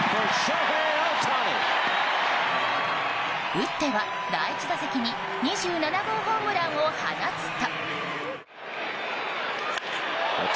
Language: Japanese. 打っては第１打席に２７号ホームランを放つと。